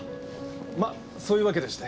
まあそういうわけでして。